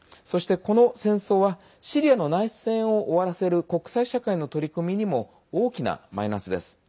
そして、この戦争はシリアの内戦を終わらせる国際社会の取り組みにも大きなマイナスです。